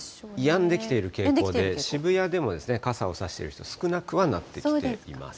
やんできている傾向で、渋谷でも傘を差してる人、少なくはなってきています。